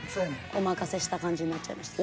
お任せした感じになっちゃいました。